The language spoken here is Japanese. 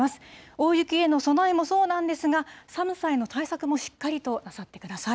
大雪への備えもそうなんですが、寒さへの対策もしっかりとなさってください。